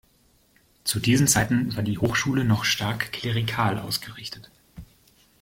Zu diesen Zeiten war die Hochschule noch stark klerikal ausgerichtet.